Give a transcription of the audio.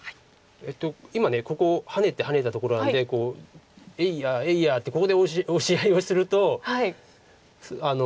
今ここハネてハネたところなんで「えいや！えいや！」ってここでオシ合いをすると。